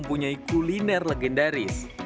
mempunyai kuliner legendaris